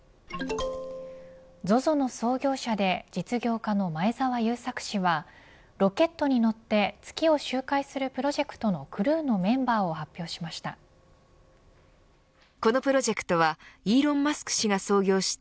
ＺＯＺＯの創業者で実業家の前澤友作氏はロケットに乗って月を周回するプロジェクトのクルーのメンバーを発表しました。